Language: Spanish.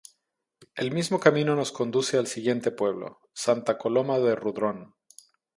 El mismo camino nos conduce al siguiente pueblo, Santa Coloma del Rudrón.